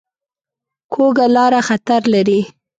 کوږه لاره خطر لري